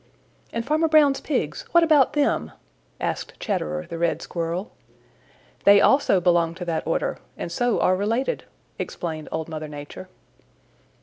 "And Farmer Brown's Pigs, what about them?" asked Chatterer the Red Squirrel. "They also belong to that order and so are related," explained Old Mother Nature.